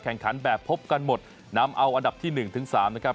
แข่งขันแบบพบกันหมดนำเอาอันดับที่๑ถึง๓นะครับ